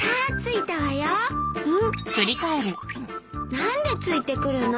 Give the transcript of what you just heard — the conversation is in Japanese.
何でついてくるの？